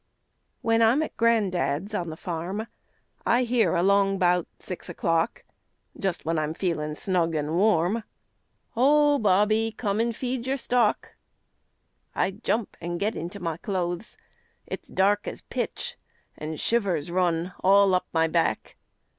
When I'm at gran'dad's on the farm, I hear along 'bout six o'clock, Just when I'm feelin' snug an' warm, "Ho, Bobby, come and feed your stock." I jump an' get into my clothes; It's dark as pitch, an' shivers run All up my back.